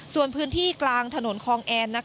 ส่วนพื้นที่กลางถนนคลองแอน